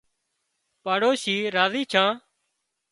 پاڙوشي راضي ڇان